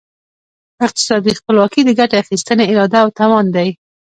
اقتصادي خپلواکي د ګټې اخیستني اراده او توان دی.